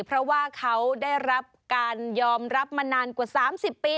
เพราะว่าเขาได้รับการยอมรับมานานกว่า๓๐ปี